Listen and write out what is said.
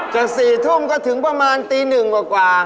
จาก๑๖๐๐ก็ถึงประมาณตี๐๑๐๐กว่า